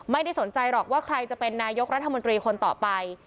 ไม่ได้สนใจหรอกว่าใครจะเป็นนายกรัฐมนตรีคนต่อไป